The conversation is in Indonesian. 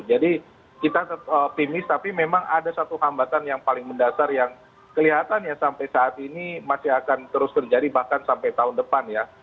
jadi kita optimis tapi memang ada satu hambatan yang paling mendasar yang kelihatannya sampai saat ini masih akan terus terjadi bahkan sampai tahun depan ya